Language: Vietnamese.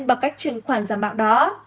bằng cách truyền khoản giả mạo đó